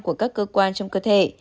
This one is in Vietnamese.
của các cơ quan trong cơ thể